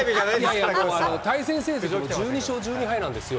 対戦成績も１２勝１２敗なんですよ。